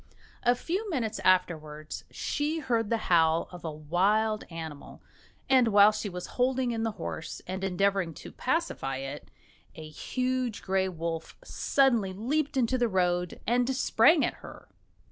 A few minutes afterwards she heard the howl of a wild animal, and, while she was holding in the horse and endeavouring to pacify it, a huge grey wolf suddenly leaped into the road and sprang at her.